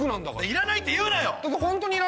いらないって言うな！